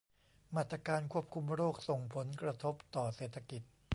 มาตรการควบคุมโรคส่งผลกระทบต่อเศรษฐกิจ